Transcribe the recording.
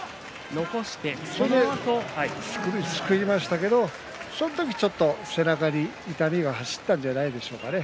残して、そのあと。すくいましたけどそのあと背中に痛みが走ったんじゃないでしょうかね。